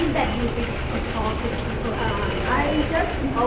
ถ้าเราต้องการการความชื่นกัน